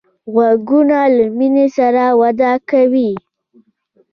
غوږونه له مینې سره وده کوي